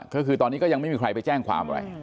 ก็คือตอนนี้ก็ยังไม่มีใครไปแจ้งความอะไร